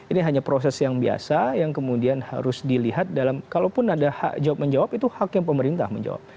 ini hanya proses yang biasa yang kemudian harus dilihat dalam kalaupun ada hak jawab menjawab itu haknya pemerintah menjawab